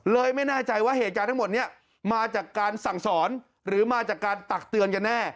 ไม่แน่ใจว่าเหตุการณ์ทั้งหมดนี้มาจากการสั่งสอนหรือมาจากการตักเตือนกันแน่